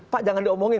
pak jangan diomongin